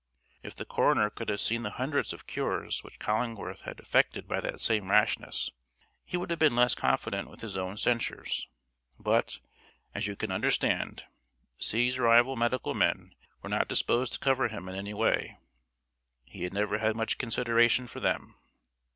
If the coroner could have seen the hundreds of cures which Cullingworth had effected by that same rashness he would have been less confident with his censures. But, as you can understand, C.'s rival medical men were not disposed to cover him in any way. He had never had much consideration for them.